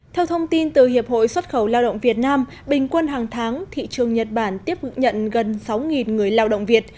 theo thông tin từ hiệp hội xuất khẩu lao động việt nam bình quân hàng tháng thị trường nhật bản tiếp nhận gần sáu người lao động việt